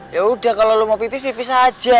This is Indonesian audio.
yaudah kalau lo mau pipis pipis aja